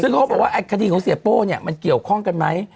ซึ่งเขาบอกว่าคดีของเสียโป้เนี่ยมันเกี่ยวข้องกันไหม